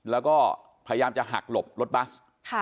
แล้วก็พยายามจะหักหลบรถบัส